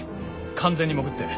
完全に潜って。